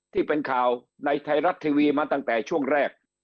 ที่เป็นข่าวในไทยรัฐทีวีมาตั้งแต่ช่วงแรก